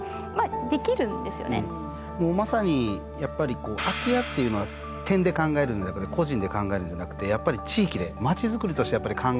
もうまさにやっぱり空き家っていうのは点で考えるんじゃなくて個人で考えるんじゃなくてやっぱり地域で町づくりとしてやっぱり考えていきたいなと。